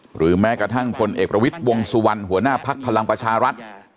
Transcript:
หรือแม้กระทั่งพลเอกประวิทย์วงสุวรรณหัวหน้าภักดิ์พลังประชารัฐ